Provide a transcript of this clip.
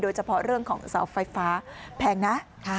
โดยเฉพาะเรื่องของเสาไฟฟ้าแพงนะ